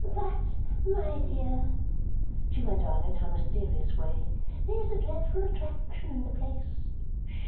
"But, my dear," she went on in her mysterious way, "there's a dreadful attraction in the place.